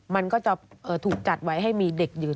มันก็จะถูกจัดไว้ให้มีเด็กยืน